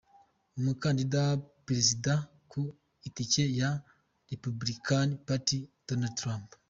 Umukandida Perezida ku itike ya Republican Party, Donald Trump